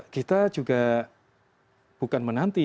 kita juga bukan menanti